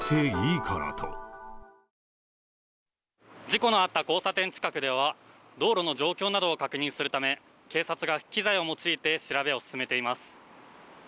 事故のあった交差点近くでは、道路の状況などを確認するため警察が機材を用いて調べを進めています。